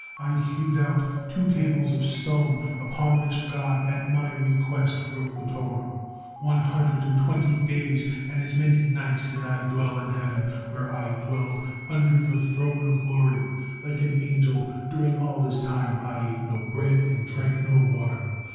I hewed out two tables of stone, upon which God at my request wrote the Torah. One hundred and twenty days and as many nights did I dwell in heaven, where I dwelled under the Throne of Glory; like an angel during all this time I ate no bread and drank no water.